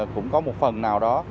cũng có một phần nào đó